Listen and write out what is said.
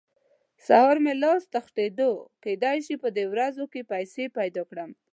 سهار مې لاس تخېدو؛ کېدای شي په دې ورځو کې پيسې پیدا کړم.